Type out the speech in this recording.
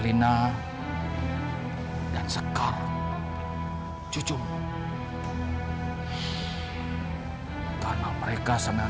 leluhur akan berjaya